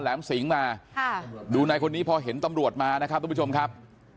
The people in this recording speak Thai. แหมสิงมาค่ะดูนายคนนี้พอเห็นตำรวจมานะครับทุกผู้ชมครับ